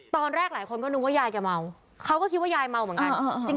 ตอนแรกหลายคนก็นึกว่ายายแกเมาเขาก็คิดว่ายายเมาเหมือนกัน